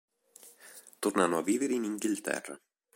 Tornano a vivere in Inghilterra.